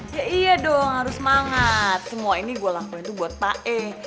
ya iya dong harus semangat semua ini gue lakuin itu buat pak e